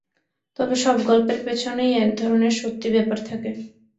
তবে সব গল্পের পেছনেই এক ধরনের সত্যি ব্যাপার থাকে।